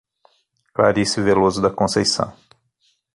Clarice Veloso da Conceicao